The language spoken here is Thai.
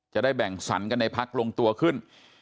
จะได้แบ่งสรรกันในพักลงตัวขึ้น